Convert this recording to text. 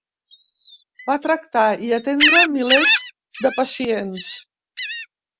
Va tractar i atendre milers de pacients.